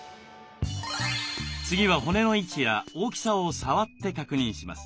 次は骨の位置や大きさを触って確認します。